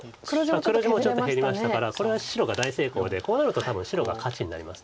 黒地もちょっと減りましたからこれは白が大成功でこうなると多分白が勝ちになります。